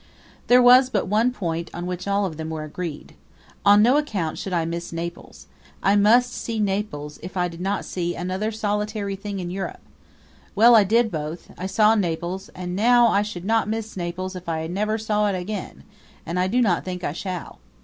There was but one point on which all of them were agreed. On no account should I miss Naples; I must see Naples if I did not see another solitary thing in Europe. Well, I did both I saw Naples; and now I should not miss Naples if I never saw it again, and I do not think I shall.